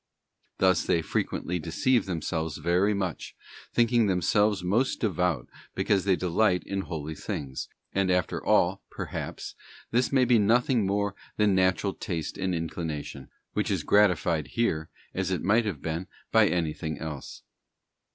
Thus they frequently deceive themselves very much, think ing themselves most devout because they delight in holy things ; and after all, perhaps, this may be nothing more than natural taste and inclination, which is gratified here as it might have been by anything else.